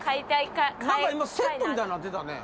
何か今セットみたいになってたね。